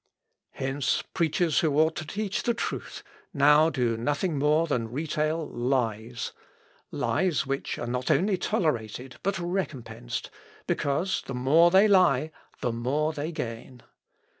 Hence preachers who ought to teach the truth, now do nothing more than retail lies lies, which are not only tolerated, but recompensed, because the more they lie, the more they gain.